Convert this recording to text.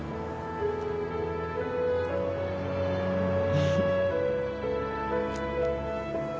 フフッ。